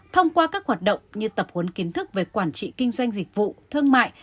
thông qua các hoạt động như tập huấn kiến thức về quản trị kinh doanh dịch vụ thương mại